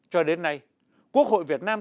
cho đến nay quốc hội việt nam